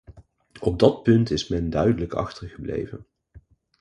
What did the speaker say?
Op dat punt is men duidelijk achtergebleven.